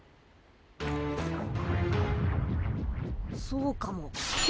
そうかも。